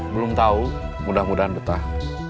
belum tahu mudah mudahan betah